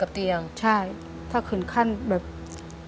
อเรนนี่นี่คือเหตุการณ์เริ่มต้นหลอนช่วงแรกแล้วมีอะไรอีก